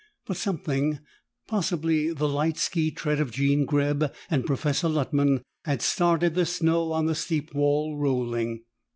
But something, possibly the light ski tread of Jean Greb and Professor Luttman, had started the snow on the steep wall rolling.